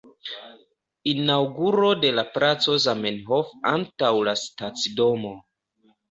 Inaŭguro de la placo Zamenhof antaŭ la stacidomo.